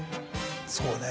そうね